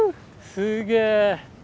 すげえ！